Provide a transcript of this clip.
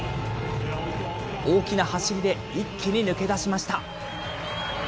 大きな走りで一気に抜け出しました。